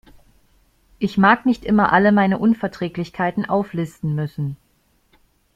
Ich mag nicht immer alle meine Unverträglichkeiten auflisten müssen.